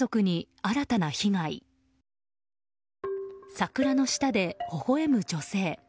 桜の下でほほ笑む女性。